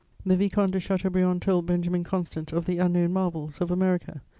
The Vicomte de Chateaubriand told Benjamin Constant of the unknown marvels of America.